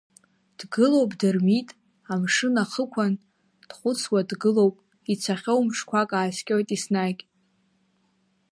Дгылоуп Дырмит, амшын ахықәан дхәыцуа дгылоуп, ицахьоу мшқәак ааскьоит еснагь…